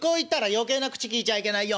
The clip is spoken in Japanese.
余計な口きいちゃいけないよ。